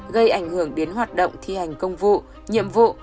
gây ảnh hưởng đến hoạt động thi hành công vụ nhiệm vụ